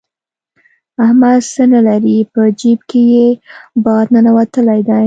احمد څه نه لري؛ په جېب کې يې باد ننوتلی دی.